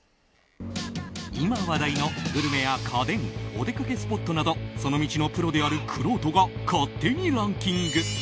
今、話題のグルメや家電お出かけスポットなどその道のプロであるくろうとが勝手にランキング。